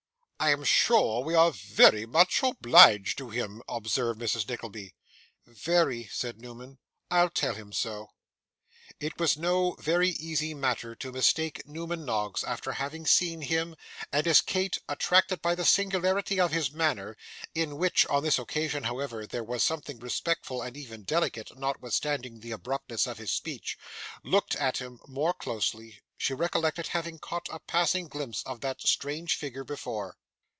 'I am sure we are very much obliged to him,' observed Mrs. Nickleby. 'Very,' said Newman. 'I'll tell him so.' It was no very easy matter to mistake Newman Noggs, after having once seen him, and as Kate, attracted by the singularity of his manner (in which on this occasion, however, there was something respectful and even delicate, notwithstanding the abruptness of his speech), looked at him more closely, she recollected having caught a passing glimpse of that strange figure before.